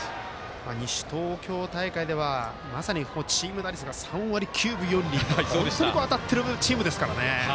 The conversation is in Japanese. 西東京大会ではまさにチーム打率が３割９分４厘と本当に当たっているチームですからね。